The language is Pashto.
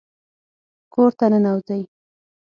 کور ته ننوځئ